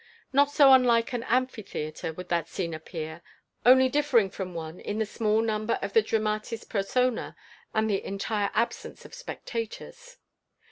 Not so unlike an amphitheatre would that scene appear only differing from one, in the small number of the dramatis persona, and the entire absence of spectators.